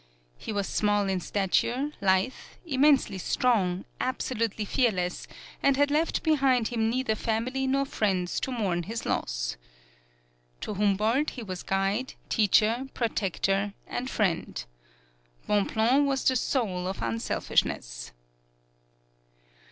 He was small in stature, lithe, immensely strong, absolutely fearless, and had left behind him neither family nor friends to mourn his loss. To Humboldt he was guide, teacher, protector and friend. Bonpland was the soul of unselfishness.